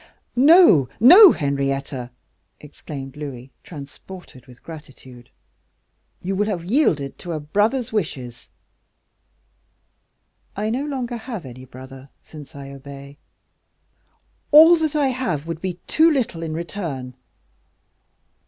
"No, no, Henrietta!" exclaimed Louis, transported with gratitude, "you will have yielded to a brother's wishes." "I no longer have any brother, since I obey." "All that I have would be too little in return."